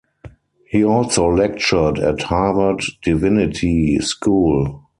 He also lectured at Harvard Divinity School.